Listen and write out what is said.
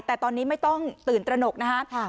แต่ตอนนี้ไม่ต้องตื่นตระหนกนะครับ